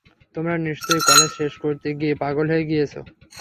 তোমরা নিশ্চয় কলেজ শেষ করতে গিয়ে পাগল হয়ে গিয়েছো।